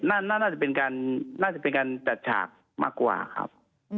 น่าจะเป็นการจัดฉากมากกว่าครับ